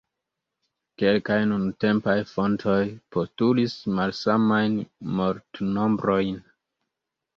Kelkaj nuntempaj fontoj postulis malsamajn mortnombrojn.